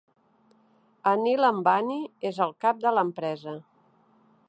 Anil Ambani és el cap de l'empresa.